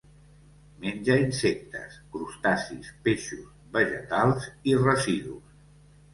Menja insectes, crustacis, peixos, vegetals i residus.